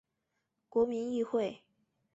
国民议会。